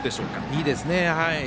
いいですね。